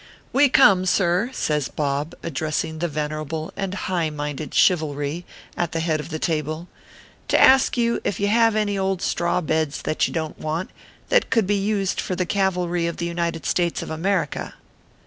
" We come, sir," says Bob, addressing the vener able and high minded Chivalry at the head of the table, " to ask you if you have any old straw beds that you don t want, that could be used for the cav alry of the United States of America."